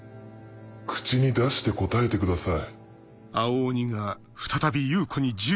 口に出して答えてください。